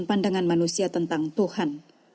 pandangan manusia tentang tuhan